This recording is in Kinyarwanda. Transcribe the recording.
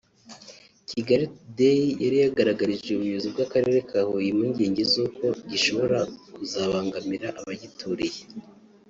kigalitoday yari yagaragarije ubuyobozi bw’Akarere ka Huye impungenge z’uko gishobora kuzabangamira abagituriye